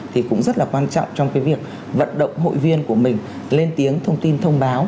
thì cũng rất là quan trọng trong cái việc vận động hội viên của mình lên tiếng thông tin thông báo